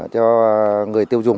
cho người tiêu dùng